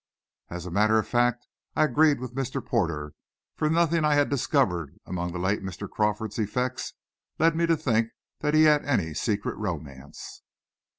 As a matter of fact, I agreed with Mr. Porter, for nothing I had discovered among the late Mr. Crawford's effects led me to think he had any secret romance.